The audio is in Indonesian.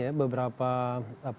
itu menemui para anggota kpu